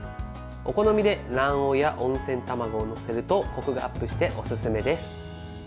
お好みで卵黄や温泉卵を載せるとこくがアップしておすすめです。